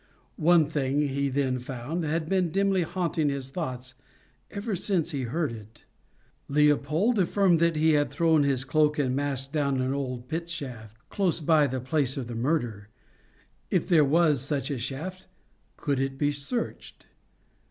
One thing, he then found, had been dimly haunting his thoughts ever since he heard it: Leopold affirmed that he had thrown his cloak and mask down an old pit shaft, close by the place of murder: if there was such a shaft, could it be searched?